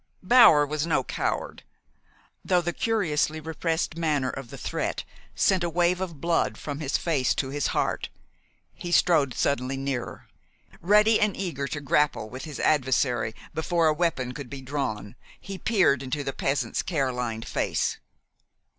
Bower was no coward. Though the curiously repressed manner of the threat sent a wave of blood from his face to his heart, he strode suddenly nearer. Ready and eager to grapple with his adversary before a weapon could be drawn, he peered into the peasant's care lined face.